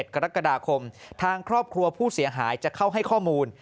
กรกฎาคมทางครอบครัวผู้เสียหายจะเข้าให้ข้อมูล